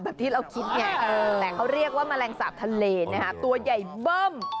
ที่เราคิดไงแต่เขาเรียกว่าแมลงสาปทะเลนะคะตัวใหญ่เบิ้ม